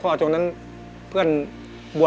พี่ต้องรู้หรือยังว่าเพลงอะไร